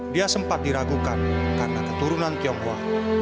dia sempat diragukan karena keturunan tionghoa